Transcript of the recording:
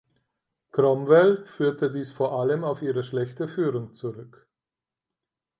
Cromwell führte dies vor allem auf ihre schlechte Führung zurück.